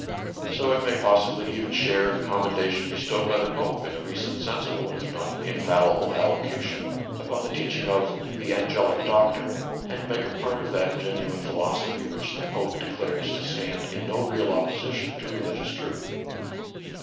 So it may possibly even share in the commendation bestowed by the Pope, in a recent sensible if not infallible allocution, upon the teaching of " the Angelic Doctor," and make a part of that genuine philosophy which the Pope declares to stand in no real opposition to religious truth.